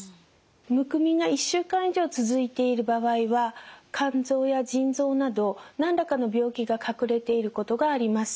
むくみが１週間以上続いている場合は肝臓や腎臓など何らかの病気が隠れていることがあります。